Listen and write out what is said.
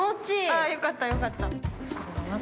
◆あ、よかった、よかった。